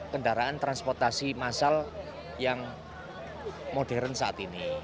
kendaraan transportasi massal yang modern saat ini